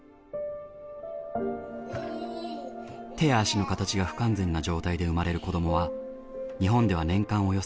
手や足の形が不完全な状態で生まれる子どもは日本では年間およそ４００人。